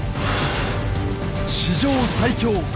史上最強！